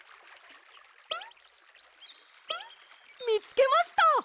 みつけました！